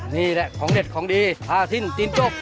นี่แหละของเด็ดของดีพาทินจินจก